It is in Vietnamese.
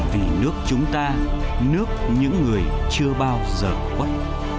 vì nước chúng ta nước những người chưa bao giờ quất